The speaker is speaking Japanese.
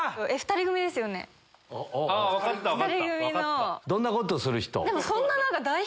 あ！２人組の。